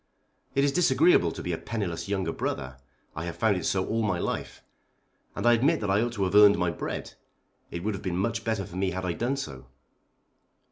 It is disagreeable to be a penniless younger brother. I have found it so all my life. And I admit that I ought to have earned my bread. It would have been much better for me had I done so.